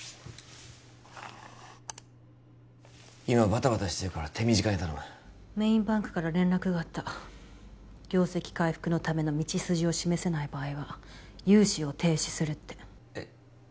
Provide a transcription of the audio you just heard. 今バタバタしてるから手短に頼むメインバンクから連絡があった業績回復のための道筋を示せない場合は融資を停止するってえっ？